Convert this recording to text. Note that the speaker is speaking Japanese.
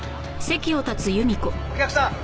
お客さん！